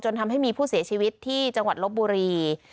ทำให้มีผู้เสียชีวิตที่จังหวัดลบบุรี